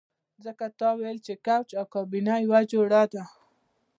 ځکه تا ویل چې کوچ او کابینه یوه جوړه ده